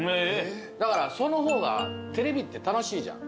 だからその方がテレビって楽しいじゃん。